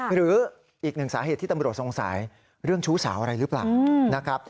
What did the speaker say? หรืออีกหนึ่งสาเหตุที่ตำรวจสงสัยเรื่องชู้สาวอะไรหรือเปล่านะครับ